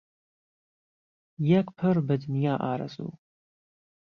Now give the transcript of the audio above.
یهک پڕ به دنیا ئارهزوو